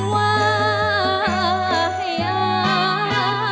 มันว่าให้อ้าง